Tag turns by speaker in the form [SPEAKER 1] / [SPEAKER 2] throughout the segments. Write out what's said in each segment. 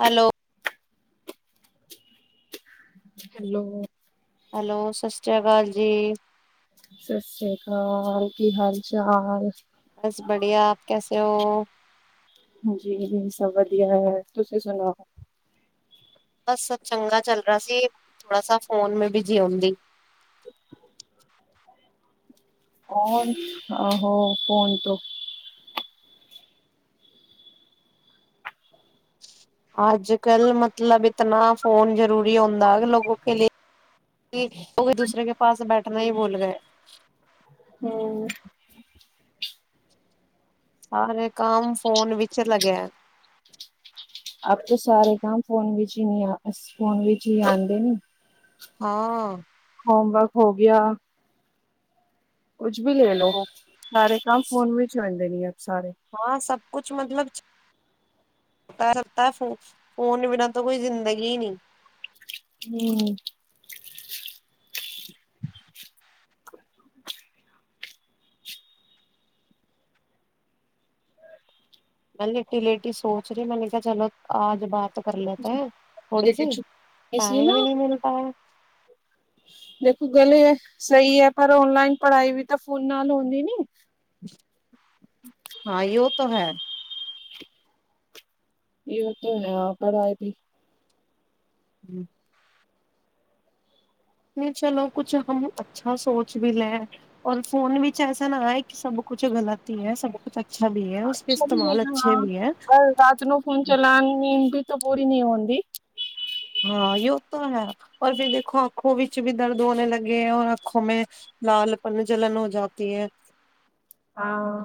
[SPEAKER 1] Hello.
[SPEAKER 2] Hello.
[SPEAKER 1] Hello, Sat Sri ਅਕਾਲ ਜੀ।
[SPEAKER 2] ਸਤਿ ਸ੍ਰੀ ਅਕਾਲ, ਕੀ ਹਾਲ ਚਾਲ?
[SPEAKER 1] ਬਸ ਬੜੀਆ, ਆਪ ਕੈਸੇ ਹੋ?
[SPEAKER 2] ਹਾਂਜੀ ਹਾਂਜੀ, ਸਭ ਵਧੀਐ, ਤੁਸੀਂ ਸੁਣਾਓ?
[SPEAKER 1] ਬਸ ਸਭ ਚੰਗਾ ਚੱਲ ਰਾ ਸੀ। ਥੋੜਾ ਸ ਫੋਨ ਮ ਬਿਜ਼ੀ [unintelligible]
[SPEAKER 2] [unintelligible] ਆਹ ਹੋ ਫੋਣ ਤੋ
[SPEAKER 1] ਅੱਜ ਕੱਲ ਮਤਲਬ ਇਤਨਾ ਫੋਨ ਜ਼ਰੂਰੀ ਹੁੰਦਾ, ਲੋਕੋ ਕੇ ਲ [unintelligible] ਦੂਸਰੇ ਕੇ ਪਾਸ ਬੈਠਣਾ ਹੀ ਬੂਲ ਗਏ ਸਾਰੇ ਕੰਮ ਫੋਨ ਵਿਚ ਲਗਿਆ।
[SPEAKER 2] ਅਬ ਤਾਂ ਸਾਰੇ ਕੰਮ ਫੋਨ ਵਿੱਚ ਹੀ ਨਹੀਂ ਆ, ਫੋਨ ਵਿੱਚ ਹੀ ਆਉਂਦੇ ਨੀ।
[SPEAKER 1] ਹਾਂ
[SPEAKER 2] ਹੋਮਵਰਕ ਹੋ ਗਿਆ। ਕੁੱਝ ਵੀ ਲੈ ਲੋ, ਸਾਰੇ ਕੰਮ ਫੋਨ ਵਿੱਚ ਹੋ ਜਾਂ [unintelligible]
[SPEAKER 1] ਹਾਂ, ਸਭ ਕੁਛ ਮਤਲਬ ਪਰ ਤਾ ਫ, ਫੋਨ ਬਿਨਾਂ ਤੋਂ ਕੋਈ ਜ਼ਿੰਦਗੀ ਨਹੀਂ।
[SPEAKER 2] ਹੂੰ
[SPEAKER 1] [inaudible] ਮੈਂ ਲੇਟੀ ਲੇਟੀ ਸੋਚ ਰਹੀ, ਮੈਨੇ ਕਿਹਾ ਚਲ ਆ ਬਾਤ ਕਰ ਲੇਤੇ ਹੈਂ ਥੋੜੀ
[SPEAKER 2] ਛੇਤੀ
[SPEAKER 1] ਸੀ,
[SPEAKER 2] ਛੁੱਟੀ ਇਸ ਲਈ ਨਾ
[SPEAKER 1] ਟਾਈਮ ਹੀ ਨਹੀਂ ਮਿਲ ਪਾਇਆ
[SPEAKER 2] ਦੇਖੋ ਗਲੇ ਐ, ਸਹੀ ਹੈ ਪਰ ਓਨਲਾਈਨ ਪੜ੍ਹਾਈ ਵੀ ਤਾਂ ਫੋਨ ਨਾਲ ਹੁੰਦੀ ਨੀ,
[SPEAKER 1] ਹਾਂ, ਯੋ ਤੋ ਹੈ।
[SPEAKER 2] ਇਹ ਤੋ ਹੈ, [unintelligible] ਵੀ
[SPEAKER 1] [inaudible] ਨਹੀਂ ਚਲੋ, ਕੁਛ ਹੂੰ ਅੱਛਾ ਸੋਚ ਵੀ ਲੇਂ। ਔਰ ਫੋਨ ਵਿੱਚ ਐਸਾ ਨਾ ਆਏ, ਕਿ ਸਭ ਕੁਛ ਗ਼ਲਤ ਹੀ ਹੈ ਸਭ ਕੁਛ
[SPEAKER 2] ਅੱਛਾ [unintelligible] ਰਾਤ ਨੂੰ ਫੋਨ ਚਲਾਣ [unintelligible] ਤੋਂ ਪੂਰੀ ਨੀ ਹੁੰਦੀ।
[SPEAKER 1] ਹਾਂ ਯੋ ਤੋ ਹੈ ਪਰ ਫਿਰ ਦੇਖੋ, ਆਂਖੋ ਵਿੱਚ ਵੀ ਦਰਦ ਹੋਣੇ ਲੱਗੇ ਹੈ, ਔਰ ਆਂਖੋ ਮੈਂ ਲਾਲਪਨ ਜਲਨ ਹੋ ਜਾਤੀ ਹੈ।
[SPEAKER 2] ਹਾਂ।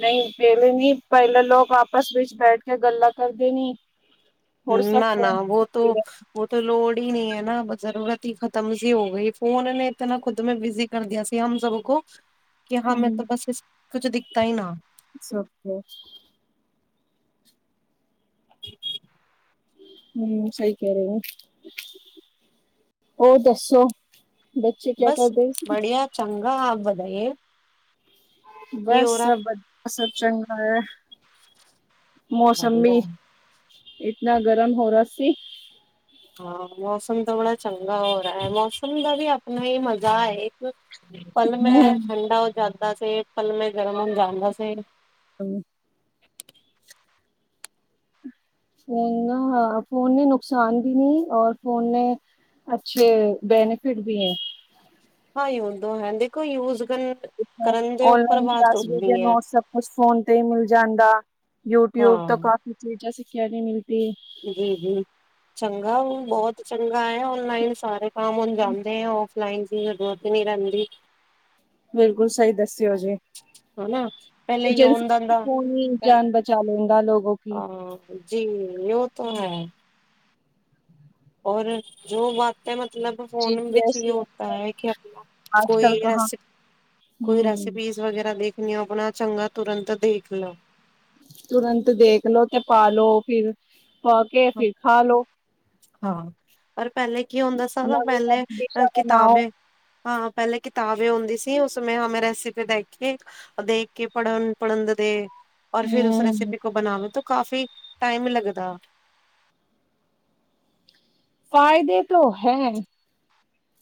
[SPEAKER 2] ਨਹੀਂ ਪੇਲੇ ਨੀ, ਪਹਿਲੇ ਲੋਕ ਆਪਸ ਵਿੱਚ ਬੈਠ ਕੇ ਗੱਲਾਂ ਕਰਦੇ ਨੇ।
[SPEAKER 1] ਨਾ-ਨਾ ਵੋ ਤੋ, ਵੋ ਤੋ ਲੋੜ, ਨਹੀਂ ਹੈ, ਨਾ ਵੀ ਜ਼ਰੂਰਤ ਹੀ ਖਤਮ ਸੀ, ਹੋ ਗਈ ਫੋਨ ਨੇ ਇਤ ਨਾ ਖੁਦ ਮੈ ਬਿਜੀ ਕਰਦੀਆ ਸੀ, ਹਮ ਸਭ ਕੋ ਕਿ ਹਮੈਂ ਤਾਂ ਬਸ ਇਸ ਕੁਛ ਦਿਖਤਾ ਹੀ ਨਾ
[SPEAKER 2] ਸਭਕੇ, ਹੂੰ, ਸਹੀ ਕਹਿ ਰਹੇ ਓ। ਹੋਰ ਦੱਸੋ? ਬੱਚੇ ਕਿਆ ਕਰਦੇ ਸੀ?
[SPEAKER 1] [unintelligible]
[SPEAKER 2] ਬਸ ਸਭ ਵਧੀਆ, ਸਭ ਚੰਗੈ। ਮੌਸਮ ਵੀ ਇਤਨਾ ਗਰਮ ਹੋ ਰਾ ਸੀ।
[SPEAKER 1] ਹਾਂ, ਮੌਸਮ ਤੇ ਬੜਾ ਚ [unintelligible] [unintelligible] ਹੈ, ਮੌਸਮ ਦਾ ਵੀ ਆਪ ਨਹੀਂ ਮਜ਼ਾ [unintelligible] ਪਲ ਮੈਂ ਠੰਡਾ ਹੋ ਜ਼ਾ ਦਾ ਸੀ। ਪਲ ਮੇ ਗਰਮ ਜਾਂਦਾ ਸੀ।
[SPEAKER 2] ਹੂੰ, ਫੋਨ ਨਾ, ਹਾਂ ਫ਼ੋਨ ਨੇ ਨੁਕਸਾਨ ਵੀ ਨਹੀਂ ਔਰ ਫ਼ੋਨ ਨੇ ਅੱਛੇ ਬੈਨੀਫਿਟ ਵੀ ਐ।
[SPEAKER 1] ਹਾਂ ਜੋ ਤੋ ਹੈ। ਦੇਖੋ ਯੂਜ ਕਰਨ ਕਰਨ ਦੇ ਉੱਪਰ
[SPEAKER 2] ਔਨਲਾਈਨ
[SPEAKER 1] ਬਾਤ
[SPEAKER 2] ਕਲਾਸ,
[SPEAKER 1] ਹੁੰਦੀ ਹੈ
[SPEAKER 2] ਨੋਟ ਸਭ ਕੁਛ ਫੋਨ ਤੇ ਹੀ ਮਿਲ ਜਾਂਦਾ, ਯੂਟਿਊਬ ਤੋਂ ਕਾਫੀ ਚੀਜ਼ਾਂ ਸ [unintelligible] ਮਿਲ
[SPEAKER 1] ਜੀਜੀ ਹ ਬਹੁਤ ਚੰਗਾ, ਔਨਲਾਈਨ ਸਾਰੇ ਕੰਮ ਹੁਣ ਜਾਂਦੇ ਆ ਉਹ, ਲਾਈਨ ਦੀ [unintelligible] ਨਹੀਂ ਰਹਿੰਦੀ।
[SPEAKER 2] ਬਿਲਕੁਲ ਸਹੀ ਦੱਸਿਓ ਜੀ।
[SPEAKER 1] ਹਨਾ ਪਹਿਲੇ ਯੋਨ ਦਂਦਾ ਅਹ ਜੀ ਯੋ ਤੋ ਹੈ। ਔਰ ਜੋ ਬਾਤੇਂ ਮਤ ਮਤਲਬ ਫੋਨ ਵਿੱਚ ਵੀ ਹੋਤਾ ਹੈ ਕਿ ਆਪਣਾ ਕੋਈ ਰੇਸੀਪ ਕੋਈ ਰੈਸੀਪੀਸ ਵਗੈਰਾ ਦੇਖ। ਨ ਆਪਣਾ ਚੰਗਾ ਤੁਰੰਤ ਦੇਖ ਲਓ।
[SPEAKER 2] ਤੁਰੰਤ ਦੇਖਲੋ ਤੇ ਪਾ ਲਓ ਫਿਰ
[SPEAKER 1] ਹਾਂ ਪਰ ਪਹਿਲੇ ਕੀ ਹੁੰਦਾ ਸੀ ਨਾ ਪਹਿਲੇ ਕਿਤਾਬੇ ਹਾਂ ਪਹਿਲੇ ਕਿਤਾਬੇ ਹੁੰਦੀ ਸੀ। ਦੀ ਉਸਮੇ ਹਮੇ ਰੈਸੀਪੀ ਬੈਠ ਕੇ ਦੇਖ ਕੇ ਪੜ੍ਹਨ ਪੜਂਨਦੇ ਔਰ ਫਿਰ ਉਸ ਰੈਸੀਿਪੀ ਕੋ ਬਣਾਵੋ ਤੋ ਕਾਫੀ ਟਾਈਮ ਲੱਗਦਾ।
[SPEAKER 2] ਫਾਇਦੇ ਤੋਂ ਹੈ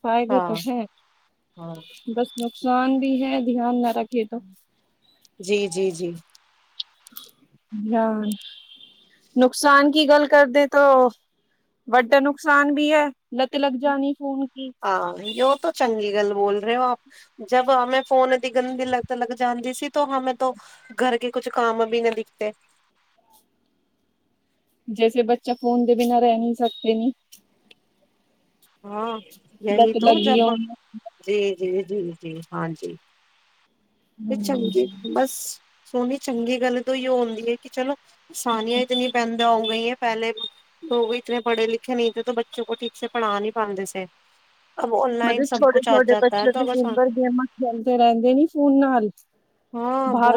[SPEAKER 2] ਫਾਇਦੇ ਤੋਂ
[SPEAKER 1] ਹਾਂ
[SPEAKER 2] ਹੈ ਬਸ ਸਾਨ ਵੀ ਹੈ ਧਿਆਨ ਨਾ ਰੱਖਿਐ ਤੌ।
[SPEAKER 1] ਜੀ - ਜੀ - ਜੀ
[SPEAKER 2] ਪਿਆਨ, ਨੁਕਸਾਨ ਕੀ ਗੱਲ ਕਰਦੇ ਤੋ ਵੱਡਾ ਨੁਕਸਾਨ ਵੀ ਹੈ। ਲੱਤ ਲੱਗ ਜਾਣੀ ਫੋਨ ਕੀ।
[SPEAKER 1] ਹਾਂ ਯੋ ਤਾਂ ਚੰਗੀ ਗੱਲ ਬੋਲ ਰਹੇ ਹੋ ਆਪ। ਜਬ ਹਮੈਂ ਫੋਨ ਦੀਕ ਗੰਦੀ ਲੱਤ ਲਗ ਜਾਂਦੀ ਸੀ ਤੋ ਹਮੇ ਤੋ ਘਰ ਕੇ ਕੁਛ ਕੰਮ ਭੀ ਨਾ ਦਿਖਤੇ।
[SPEAKER 2] ਜੈਸੇ ਬੱਚਾ ਫੋਨ ਦੇ ਬਿਨਾਂ ਰਹਿ ਨਹੀਂ ਸਕਦੇ ਨੀ।
[SPEAKER 1] ਹਾਂ ਯਹੀ ਤੋਂ ਜਬ ਜੇ। ਜੀ- ਜੀ - ਜੀ ਹਾਂਜੀ। ਇਹ ਚੰਗੇ ਬਸ। ਸੋਹਨੀ ਚੰਗੀ ਗੱਲ ਤੋਂ ਹੀ ਆਉਂਦੀ ਹੈ ਕਿ ਚਲੋ ਸਾਨੀਆਂ ਇਤਨੀੀਆਂ ਪੈਂਦਾ ਹੋ ਗਈਆਂ ਪਹਿਲੇ ਲੋਕ ਇਤੇਨੇ ਪੜ੍ਹੇ ਲਿਖੇ ਨਹੀਂਥੇ ਤੋ ਬੱਚੇ ਕੋ ਠੀਕ ਸ ਪੜ੍ਹਾ ਨਹੀਂ ਪਾਉਂਦੇ ਸੀ
[SPEAKER 2] ਮਤਲਬ ਛੋਟੇ ਛੋਟੇ ਬੱਚੇ ਵੀ ਦਿਨ ਭਰ ਗੇਮਾਂ ਖੇਲਦੇ ਰਹਿੰਦੇ ਨ ਫ ਬਾਹਰ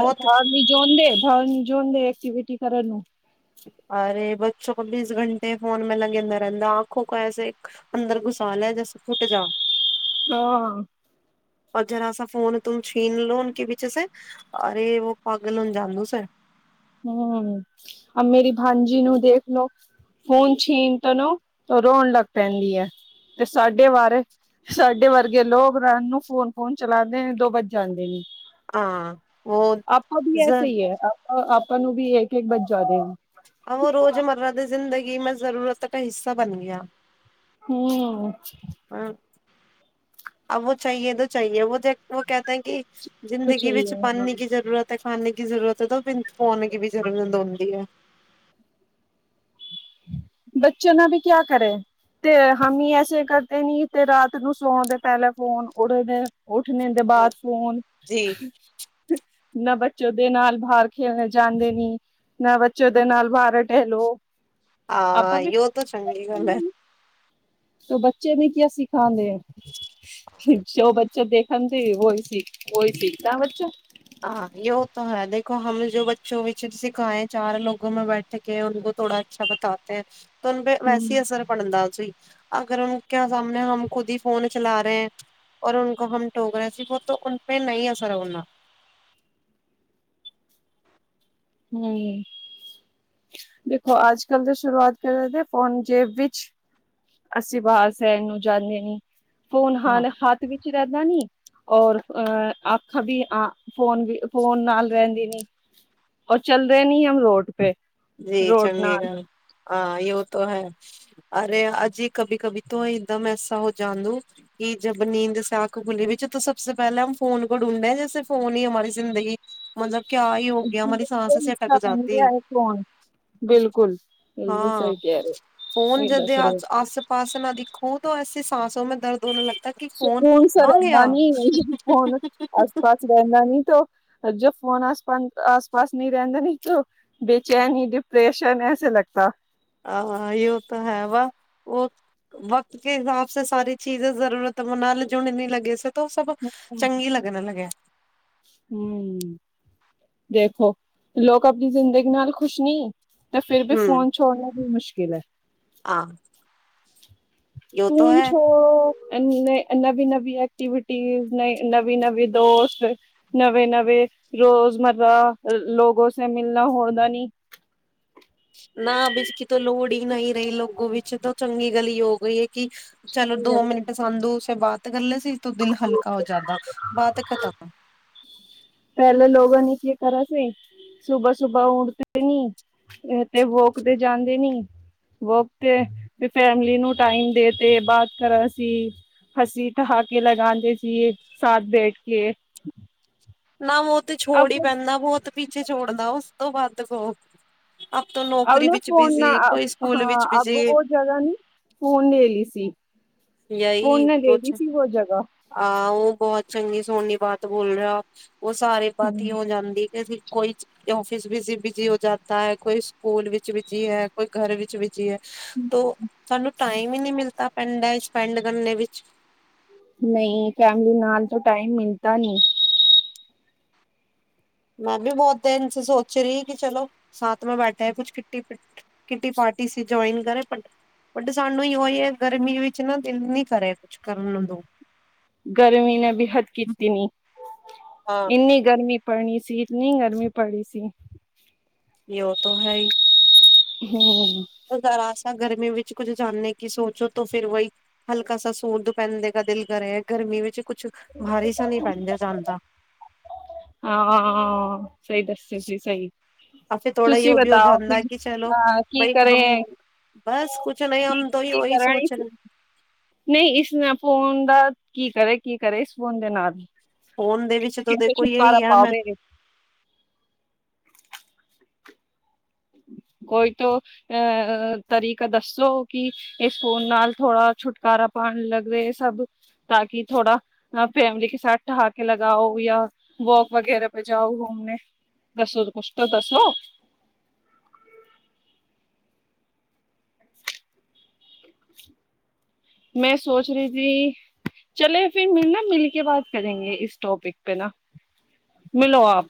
[SPEAKER 2] ਨੀ ਜੋਂਦੇ ਬਾਹਰ ਨਿ ਜੋਂਦੇ ਐਕਵਿਟੀ ਕਰਨ ਨੂੰ।
[SPEAKER 1] ਅਰੇ ਬੱਚੋ ਕ ਬੀਸ ਘੰਟੇ ਫੋਨੈਂ ਮੇਂ ਲਗਂਦਾ ਰਹਿੰਦਾ ਆਂਖੋ ਕੋ ਐਸੇ ਅੰਦਰ ਘੁਸਾਲ ਹੈ ਜੈਸੇ ਫੁੱਟ ਜਾ।
[SPEAKER 2] ਹਾਂ!
[SPEAKER 1] ਔਰ ਜਰਾਸਾ ਫੋਨ ਤਮ ਛੀਨ ਲੋ ਊਨ ਕੇ ਪਿੱਛੇ ਸੇ ਅਰੇ ਵ ਪਾਗਲ ਹ ਜਾਣ ਦੋ ਸੇ।
[SPEAKER 2] ਹਮ ਮੇਰੀ ਭਾਂਜੀ ਨੂੰ ਦੇਖ ਲੋ ਫੋਨ ਛੀਣ ਤ ਨੂੰ ਰੋਣ ਲੱਗ ਪੈਂਦੀ ਹੈ ਤੇ ਸਾਡੇ ਵ ਸਾਡੇ ਵਰਗੇ ਲੋਕ ਰਣ ਨੂੰ ਫੋਨ ਫੋਨ ਚਲਾਉਦੇ ਨੇ ਦੋ ਵੱਜ ਜਾਂਦੇ ਨੇ। ਆਪ ਕ ਵੀ ਐਸੇ ਹੀ ਹੈ ਆਪ ਆਪ ਤੁਹਾਨੂੰ ਵੀ ਇੱਕਕ ਬੱ ਜਾਦੇ ਆ-
[SPEAKER 1] ਮੈਂ ਜ਼ਰੂਰਤ ਦਾਾ ਹਿੱਸਾ ਬਣ ਗਿਆ
[SPEAKER 2] ਹਮ
[SPEAKER 1] ਹਾਂ ਆ ਉਹੋ ਚਾਹੀਏ ਦ ਚਾਹੀਏ ਵੋ ਕਹਿਤੇ ਹੈ ਕਿ ਜ਼ਿੰਦਗੀ ਵਿੱਚ ਪਾਨਨੀ ਕੀ ਜ਼ਰੂਰਤ ਹੈ ਖਾਣੇਨ ਕੀ ਜ਼ਰੂਰਤ ਹੈ ਤਾਂ ਫਿਰ [unintelligible] ਦੀ ਵੀ ਜ਼ਰੂਰਤ ਹੁੰਦੀ ਐ।
[SPEAKER 2] ਬੱਚੇ ਨਾਲ ਵੀ ਕਿਆ ਕਰੇ ਤੇ ਹੀ ਐਸੇ ਕਰਦੇ ਨੀ ਤੇ ਰਾਤ ਨੂੰ ਸੌਣ ਦੇ ਪਹਿਲੇ ਫੋਨ ਉੜਦੇ ਉੱਠਣ ਦੇ ਬਾਾਹਦ ਫੋਨ ਨਾ ਬ ਬੱਚੇ ਦੇ ਨਾਲ ਬਾਹਰ ਖੇਲਨ ਜਾਂਦੇ ਨੀ ਨਾ ਬੱਚੇ ਦੇ ਨਾਲ ਬਾਹਰ ਟੇਹਲੋ।
[SPEAKER 1] ਆਂ, ਯੋ ਤੋ ਚੰਗੀ ਗੱਲ ਐ।
[SPEAKER 2] ਬੱਚੇ ਨੇ ਕਿਆ ਸਿ ਹਾਂਜੀ-ਹਾਂਜੀ, ਜੋ ਬੱਚ ਜੋ ਦੇਖਗੇਨ ਤੇ ਔਹੀ ਸੀਖ ਔਹੀ ਸੀਖਤਾ ਬੱਚਾ।
[SPEAKER 1] ਹਾਂ ਯੋੋ ਹੈ ਤਾਂ ਹੈ ਦੇਖੋ ਹਮ ਜੋ ਬੱਚੋ ਵਿੱਚ ਸਿਖਾਏ ਚਾਰ ਲੋਕੋ ਮੈਂ ਬੈਠ ਕੇ ਉਹ ਥੋੜਾ ਅੱਛਾ ਬਤਾਤੇ ਤੁਮਪੇ ਵੈਸੇ ਅਸਰ ਪੜਂਦਾ ਸੀ। ਅਗਰ ੳਨਕੇ ਸਾਮਨੇ ਹਮ ਖੁਦ ਹੀ ਫੋਨ ਚਲਾ ਰਹੇ ਹੈਂ। ਔਰ ੳਨਕੋੋ ਹਮ ਟੋਕਰੇ ਹੈਂ ਤੋ ੳਨਪੇ ਨਈ ਅਸਰ ਹੋਨਾ।
[SPEAKER 2] ਹੰ, ਦੇਖੋ ਅੱਜ ਕੱਲ ਤਾਂ ਸ਼ੁਰੂਆਤ ਕਰ ਦੇ ਫੋਨ ਜੇਬ ਵਿੱਚ ਅਸੀਂ ਬਾਹਰ [unintelligible] ਨੂੰ ਜਾਂਦੇ ਨੀ। ਫੋਨ ਹਾਂ ਹੱਥ ਵਿੱਚ ਹੀ ਰੇਂਦਾ ਨੀ। ਔਰ ਅ ਅਖ ਵੀ ਆ ਫੋਨ ਵੀ ਫੋਨ ਨਾਲ ਰੇਂਦੀ ਨੀ ਔਰ ਚੱਲ ਰਹੇ ਨੀ ਹਮ ਰੋਡ ਪੇ
[SPEAKER 1] ਜੀ
[SPEAKER 2] ਰੋਡ
[SPEAKER 1] ਚੰਗੀ
[SPEAKER 2] ਨਾਲ
[SPEAKER 1] ਗੱਲ ਹਾਂ ਯੋ ਤੋ ਹੈ, ਅਰੇ ਅਜੇ ਕਭੀ-ਕਭੀ ਤੋਂ ਇੱਕਦਮ ਐਸਾ ਹੋ ਜਾਂਦੂੰ ਕਿ ਜਬ ਨੀਂਦ ਸ ਆਖ ਖੁਲੀ ਵਿੱਚ ਸਭ ਸੇ ਪੇਹਲੇ ਹਮ ਫੋਨ ਕੋ ਡੂੰਡੇ ਜੈਸੇ ਫੋਨ ਹੀ ਹਮਾਰੀ ਜ਼ਿੰਦਗੀ ਮਤਲਬ ਕਿਆ ਈ ਹੋ ਗਿਆ ਮਰੀਾ ਸਾਂਸ ਸੀ ਅਟੱਕ
[SPEAKER 2] ਬਣ ਗਿਆ
[SPEAKER 1] ਜਾਤੀ
[SPEAKER 2] ਹੈ ਫੋਨ ਬਿਲਕੁਲ-ਬਿਲਕੁਲ ਸਹੀ ਕਹ ਰਏ ਹੋ, ਸਹੀ ਦੱਸ ਰਏ ਹੋ।
[SPEAKER 1] ਤੋ ਐਸੀੇ ਸਾਂਸੋ ਮੇਂ ਦਰਦ ਹੋਨੇ ਲਗ
[SPEAKER 2] ਸਕੂਨ ਸਾ ਰਹਿੰਦਾ ਨੀ, ਫੋਨ ਆਸ ਪਾਸ ਰਹਿੰਦਾ ਨੀ ਤੋ ਜੋ ਫੋਨ ਆਸ-ਪਾਸ, ਆਸ ਪਾਸ ਨਹੀਂ ਰਹਿੰਦਾ ਨੀ ਤੋ ਬੇਚੈਨੀ ਡਿਪ੍ਰੈਸ਼ਨ ਐਸੇ ਲਗਤਾ।
[SPEAKER 1] ਹਾਂ ਯੋ ਤੋ ਹੈ ਵਾ ਉਹ ਵਕਤ ਕੇ ਹਿਸਾਬ ਸ ਸਾਰੀ ਚੀਜ਼ ਜ਼ਰੂਰਤ ਮਨਾ ਲੇ ਜੋ ਨੀ ਲਗੇ ਸੋ ਤੋਂ ਸਭ ਚੰਗੀ ਲੱਗਣ ਲਗੈ।
[SPEAKER 2] ਦੇਖੋ, ਲੋਕ ਅਪਨੀ ਜ਼ਿੰਦਗੀ ਨਾਲ ਖੁਸ਼ ਨਹੀਂ। ਤੇ ਫਿਰ ਵੀ ਫੋਨ ਛੋੜਨਾ ਵੀ ਮੁਸ਼। [unintelligible] ਹੋਨ ਚੋ ਨਏ, ਨਵੀ-ਨਵੀ ਐਕਟੀਵਿ ਟੀਜ਼ ਨਵੀਂ-ਨਵੀਂ ਦੋਸਤ, ਨਵੇਂ ਨਵੇਂ ਰੋਜ਼ਮਰਾ ਲੋਗੋ ਸੇ ਮਿਲਨਾ ਹੋਂਦਾ ਨੀ।
[SPEAKER 1] ਨਾ ਅਬ ਇਸਕੀ ਤੋ ਲੋੜ ਹੀ ਨਹੀਂ ਰਹੀ ਲੋਗੋ ਵਿੱਚ ਤਾਂ ਚੰਗੀ ਗਲੀ ਹੋ ਗਈ। ਕੀ ਚਲੋ ਦੋ ਮਿੰਟ ਸਾਂਧੂ ਬਾਤ ਕਰ ਲੇ ਸੀ ਤੋ ਦਿਲ ਹਲਕਾ ਹੋ ਜਾਂਦਾ, ਬਾਤ ਖਤਮ।
[SPEAKER 2] ਪਹਿਲੇ ਲੋਗੋ ਨੇ ਕੀ ਕਰਾ ਸੇ? ਸੁਬਾਹ ਸੁਬਾਹ ਉਠਦੇ ਨੀ ਤੇ ਵੋਕ ਤੇ ਜਾਂਦੇ ਨੀ, ਵੋਕ ਤੇ ਫੈਮਲੀ ਨੂੰ ਟਾਈਮ ਦੇ ਤੇ ਬਾਦ ਕਰਾ ਸੀ, ਹਸੀ ਠਹਾਕੇ ਲਗਾਂਦੇ ਸੀ ਸਾਥ ਬੈਠ ਕੇ।
[SPEAKER 1] ਨਾ ਉਹ ਤੇ ਛੋੜ ਹੀ
[SPEAKER 2] ਅਬ
[SPEAKER 1] ਪੈਂਦਾ, ਬਹੁਤ ਪਿੱਛੇ ਛੋੜਦਾ, ਉਸ ਤੋਂ ਬਾਅਦ। [unintelligible]
[SPEAKER 2] ਅਬ
[SPEAKER 1] ਨੌਕਰੀ
[SPEAKER 2] ਨਾ
[SPEAKER 1] ਵਿੱਚ
[SPEAKER 2] ਫੋਨ ਨਾ,
[SPEAKER 1] ਬਿਜ਼ੀ, ਕੋਈ ਸਕੂਲ
[SPEAKER 2] ਹਾਂ
[SPEAKER 1] ਵਿੱਚ
[SPEAKER 2] ਅਬ
[SPEAKER 1] ਬਿਜ਼ੀ,
[SPEAKER 2] ਵੋ ਜਗ੍ਹਾ ਨੀ ਫੋਨ ਲੇ ਲੀ ਸੀ।
[SPEAKER 1] ਯਹੀ ਕੁਛ, ਆਹ ਉਹ ਬਹੁਤ ਚੰਗੀ ਸੋਹਨੀ ਬਾਤ ਬੋਲ ਰਹੇ ਆਪ। ਉਹ ਸਾਰੇ ਪਾਤੀ ਹੋ ਜਾਂਦੀ ਕਿ ਅਸੀਂ ਕੋਈ ਆਫਿਸ ਵਿੱਚ ਬਿਜੀ ਹੋ ਜਾਤਾ ਹੈ, ਕੋਈ ਸਕੂਲ ਵਿੱਚ ਬਿਜੀ ਹੈ, ਕੋਈ ਘਰ ਵਿੱਚ ਬਿਜੀ ਹੈ। ਤੋਂ ਸਾਨੂੰ ਟਾਈਮ ਹੀ ਨਹੀਂ ਮਿਲਤਾ ਪੇਂਡਾ ਚ ਪੈਂਡ ਕਰਨੇ ਵਿੱਚ।
[SPEAKER 2] ਨਹੀਂ ਫੈਮਲੀ ਨਾਲ ਤੋ ਟਾਈਮ ਮਿਲਤਾ ਨੀ।
[SPEAKER 1] ਮੈਂ ਵੀ ਬਹੁਤ ਦਿਨ ਸੇ ਸੋਚ ਰਹੀ ਕਿ ਚਲੋ ਸਾਥ ਮੇਂ ਬੈਠੇ, ਕੁਛ ਕਿੱਟੀ ਕਿੱਟੀ ਪਾਰਟੀ ਸੀ ਜੁਆਇਨ ਕਰੇ ਬਟ ਸਾਨੂੰ ਹੀ ਉਹੀ ਹੈ ਗਰਮੀ ਵਿੱਚ ਨਾ ਦਿਲ ਨੀ ਕਰੇ ਕੁਛ ਕਰਨ ਦੋ।
[SPEAKER 2] ਗਰਮੀ ਨੇ ਬੀ ਹੱਦ ਕੀਤੀ ਨੀ,
[SPEAKER 1] ਹਾਂ
[SPEAKER 2] ਇੰਨੀ ਗਰਮੀ ਪੜਣੀ ਸੀ, ਇਤਨੀ ਗਰਮੀ ਪੜੀ ਸੀ।
[SPEAKER 1] ਯੋ ਤੋਂ ਹੈ ਹੀ।
[SPEAKER 2] ਹੂੰ।
[SPEAKER 1] ਉਹਦਾ ਰਾਸ ਤਾਂ ਗਰਮੀ ਵਿੱਚ ਕੁੱਝ ਜਾਨੇ ਕੀ ਸੋਚੋ ਤੋ ਫਿਰ ਵੋਹੀ ਹਲਕਾ ਸਾ ਸੂਟ ਪਹਿਨਨੇ ਕਾ ਦਿਲ ਕਰੇ ਹੈ ਗਰਮੀ ਵਿੱਚ। ਕੁਛ ਭਾਰੀ ਸਾ ਨੀ ਪੈਂਦਾ ਜਾਂਦਾ।
[SPEAKER 2] ਹਾਂ। ਸਹੀ ਦੱਸੇ ਸੀ ਸਹੀ
[SPEAKER 1] ਆ ਫਿਰ ਥੋੜਾ
[SPEAKER 2] ਤੁਸੀਂ
[SPEAKER 1] ਯੋ ਵੀ ਹੋ
[SPEAKER 2] ਬਤਾਓ
[SPEAKER 1] ਜਾਂਦਾ
[SPEAKER 2] ਫਿਰ
[SPEAKER 1] ਕਿ ਚਲੋ
[SPEAKER 2] ਅਹ, ਕੀ
[SPEAKER 1] ਬਾਈ ਹਮ
[SPEAKER 2] ਕਰੇ
[SPEAKER 1] ਬਸ ਕੁਛ ਨਹੀਂ
[SPEAKER 2] ਕੀ
[SPEAKER 1] ਹਮ ਤੋਂ ਹੀ
[SPEAKER 2] ਕੀ
[SPEAKER 1] ਔਹੀ
[SPEAKER 2] ਕਰਾਂ
[SPEAKER 1] ਸੋਚ
[SPEAKER 2] ਇਸ
[SPEAKER 1] ਰਹੇ
[SPEAKER 2] ਨਹੀਂ ਇਸਮੇ ਫੋਨ ਦਾ ਕੀ ਕਰੇ ਕੀ ਕਰੇ ਇਸ ਫੋਨ ਦੇ ਨਾਲ?
[SPEAKER 1] ਫੋਨ ਦੇ ਵਿੱਚ ਤਾਂ
[SPEAKER 2] ਕਿਵੇਂ
[SPEAKER 1] ਦੇਖੋ
[SPEAKER 2] ਛੁਟਕਾਰਾ
[SPEAKER 1] ਯੇਹੀ ਐ ਮੈਂ
[SPEAKER 2] ਪਾਵੇ ਕੋਈ ਤੋਂ ਅਹ ਤਰੀਕਾ ਦੱਸੋ ਕਿ ਇਸ ਫੋਨ ਨਾਲ ਥੋੜਾ ਛੁਟਕਾਰਾ ਪਾਣ ਲੱਗ ਰਿ ਸਭ ਤਾਂ ਕਿ ਥੋੜਾ ਫੈਮਲੀ ਕੇ ਸਾਥ ਠਹਾਕੇ ਲਗਾਓ ਯਾਂ ਵੋਕ ਵਗੈਰਾ ਪੈ ਜਾਓ ਘੁੰਮਣੇ ਦੱਸੋ ਕੁਛ ਤਾਂ ਦੱਸੋ ਮੈਂ ਸੋਚ ਰਈ ਸੀ ਚਲੇ ਫਿਰ ਮ ਨਾ ਮਿਲ ਕੇ ਬਾਤ ਕਰੇਗੇ ਇਸ ਟੋਪਿਕ ਪੇ ਨਾ ਮਿਲੋ ਆਪ